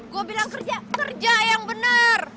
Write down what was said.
gue bilang kerja kerja yang benar